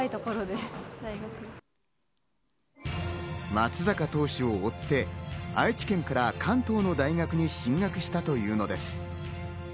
松坂投手を追って、愛知県から関東の大学へ進学したというのです。